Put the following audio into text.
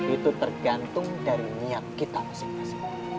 itu tergantung dari niat kita masing masing